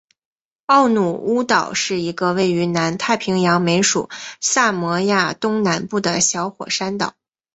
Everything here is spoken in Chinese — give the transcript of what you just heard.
奥努乌岛是一个位于南太平洋美属萨摩亚东南部的小火山岛。